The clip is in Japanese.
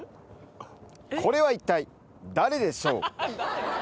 これは一体誰でしょう？